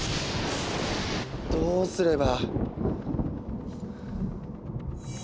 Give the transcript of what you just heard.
どうすれば。